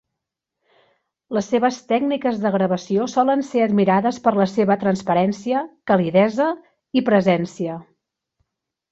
Les seves tècniques de gravació solen ser admirades per la seva transparència, calidesa i presència.